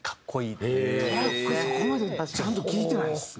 そこまでちゃんと聴いてないですね。